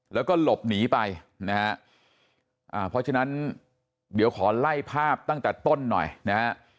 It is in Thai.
แล้วก็หลบหนีไปนะฮะเพราะฉะนั้นเดี๋ยวขอไล่ภาพตั้งแต่ต้นหน่อยนะฮะ